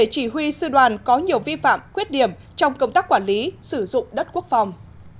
thiếu vi phạm quyết điểm trong công tác quản lý sử dụng đất quốc phòng